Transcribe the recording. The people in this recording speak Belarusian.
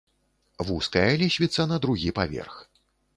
Вузкая лесвіца на другі паверх.